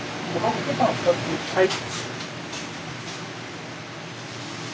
はい。